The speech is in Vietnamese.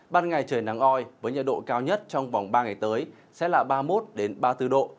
ban ngày trời nắng oi với nhiệt độ cao nhất trong vòng ba ngày tới sẽ là ba mươi một ba mươi bốn độ